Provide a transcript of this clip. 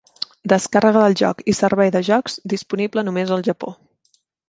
Descàrrega del joc i servei de jocs disponible només al Japó.